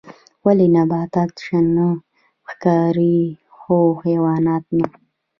ولې نباتات شنه ښکاري خو حیوانات نه